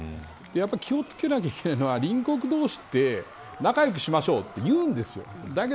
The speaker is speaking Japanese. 気を付けないといけないのは隣国同士って仲良くしましょうと言うんですが